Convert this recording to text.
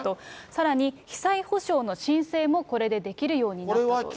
さらに、被災補償の申請もこれでできるようになっていると。